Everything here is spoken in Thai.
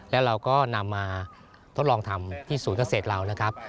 แล้วเราก็นำมาทดลองทำที่ศูนย์เกษตรเรานะครับ